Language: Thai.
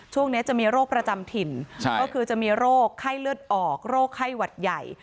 ช่วงนี้จะมีโรคประจำถิ่นก็คือจะมีโรคไข้เลือดออกโรคไข้หวัดใหญ่